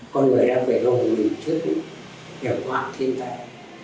con người đang phải lòng mình trước những hiệu quả thiên tài